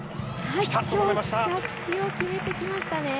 着地を決めてきましたね。